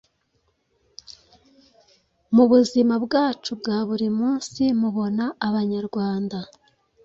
Mu buzima bwacu bwa buri munsi mubona Abanyarwanda